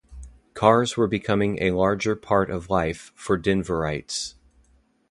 Cars were becoming a larger part of life for Denverites.